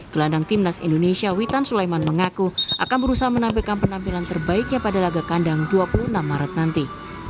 gelandang timnas indonesia witan sulaiman mengaku akan berusaha menampilkan penampilan terbaiknya pada laga kandang dua puluh enam maret nanti